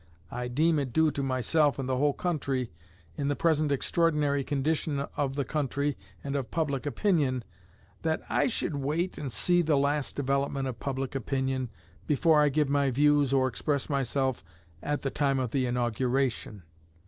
I deem it due to myself and the whole country, in the present extraordinary condition of the country and of public opinion, that I should wait and see the last development of public opinion before I give my views or express myself at the time of the inauguration.